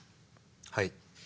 はい。